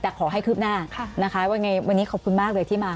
แต่ขอให้คืบหน้านะคะวันนี้ขอบคุณมากเลยที่มา